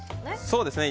そうですね。